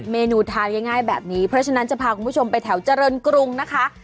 เมนูทานง่ายแบบนี้เพราะฉะนั้นจะพาคุณผู้ชมไปแถวเจริญกรุงนะคะ